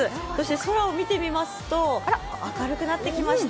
空を見てみますと明るくなってきました。